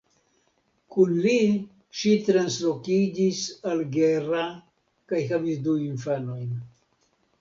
Kun li ŝi translokiĝis al Gera kaj havis du infanojn.